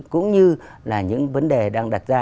cũng như là những vấn đề đang đặt ra